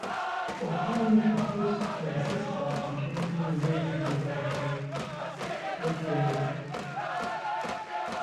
Obtained the post of assistant in Chemical Resources Laboratory at Tokyo Tech.